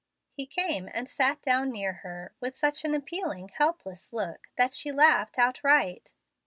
He came and sat down near her, with such an appealing, helpless look that she laughed outright.